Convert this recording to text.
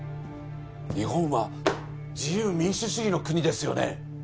日本は自由民主主義の国ですよね？